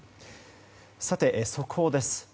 速報です。